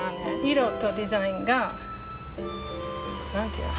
色とデザインが何て言うの？